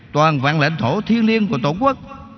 toàn vạn lãnh thổ thiên liên của tổ quốc